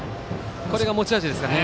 これが持ち味ですかね。